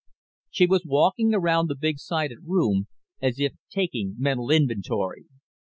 She was walking around the big sided room as if taking mental inventory.